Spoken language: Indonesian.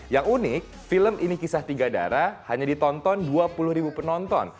yang unik film ini kisah tiga darah hanya ditonton dua puluh ribu penonton